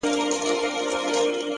o كه څه هم تور پاته سم سپين نه سمه،